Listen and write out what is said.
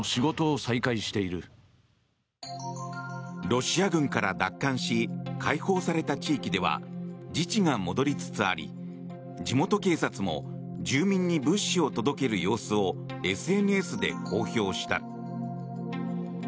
ロシア軍から奪還し解放された地域では自治が戻りつつあり地元警察も住民に物資を届ける様子をＳＮＳで公表した。